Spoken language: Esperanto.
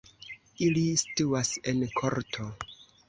Ili situas en korto.